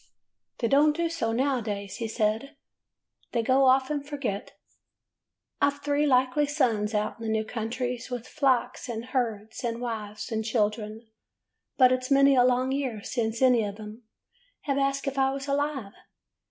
" 'They don't do so nowadays,' he said. 'They go off and forget. I 've three likely sons out in the new countries, with flocks, an' herds, an' wives, an' children, but it 's many a long year since any of 'em has asked if I was alive.